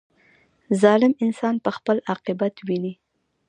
• ظالم انسان به خپل عاقبت ویني.